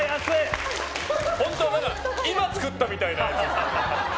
今作ったみたいなやつ。